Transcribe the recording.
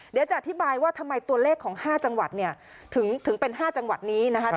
เดี๋ยวจะอธิบายว่าทำไมตัวเลขของ๕จังหวัดเนี่ยถึงเป็น๕จังหวัดนี้นะคะ